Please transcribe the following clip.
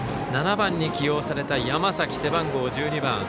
７番に起用された山崎、背番号１２番。